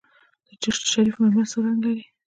د چشت شریف مرمر څه رنګ لري؟